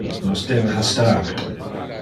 Nos debe hastar.